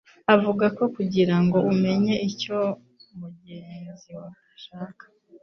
Avuga ko kugira ngo umenye icyo mugenzi ashaka